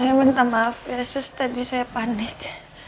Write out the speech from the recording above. saya minta maaf ya sus tadi saya panik